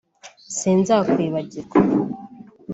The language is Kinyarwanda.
Sinzakwibagirwa